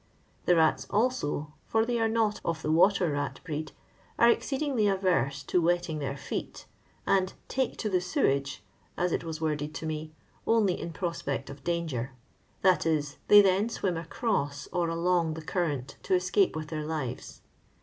The lats also — for they are not of the water mt breed — are exceedingly averse to wetting their feet, and " take to the sewage," as it was worded to me, only in prospect of danger ; that is, .they then swim across or along the current to escape with their lives.